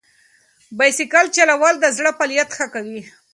بایسکل چلول د زړه فعالیت ښه کوي.